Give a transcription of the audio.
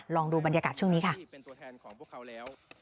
ลองดูบรรยากาศช่วงนี้ค่ะ